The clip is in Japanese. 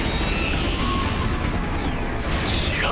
違う？